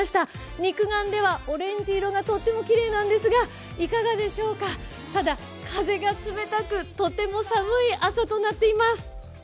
肉眼ではオレンジ色がとってもきれいなんですが、いかがでしょうか、ただ風が冷たくとても寒い朝となっています。